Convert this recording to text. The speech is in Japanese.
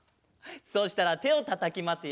そしたらてをたたきますよ。